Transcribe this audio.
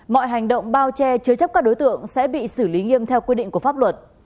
mọi hành động bao che chứa chấp các đối tượng sẽ bị xử lý nghiêm theo quy định của pháp luật